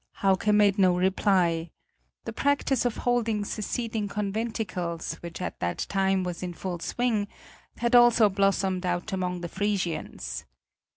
Hauke made no reply. The practise of holding seceding conventicles, which at that time was in full swing, had also blossomed out among the Frisians.